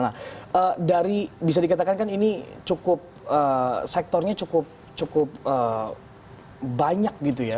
nah dari bisa dikatakan kan ini cukup sektornya cukup banyak gitu ya